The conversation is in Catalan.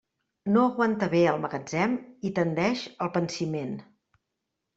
No aguanta bé el magatzem i tendeix al pansiment.